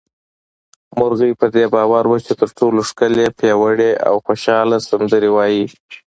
مرغۍ په دې باور وه چې تر ټولو ښکلې، پياوړې او خوشحاله سندرې وايي